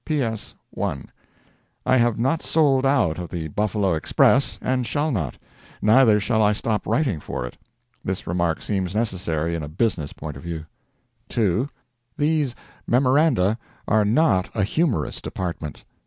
T. P. S. 1. I have not sold out of the "Buffalo Express," and shall not; neither shall I stop writing for it. This remark seems necessary in a business point of view. 2. These MEMORANDA are not a "humorous" department.